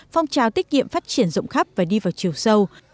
phong trào tiết kiệm phát triển rộng khắp và đi vào chiều sâu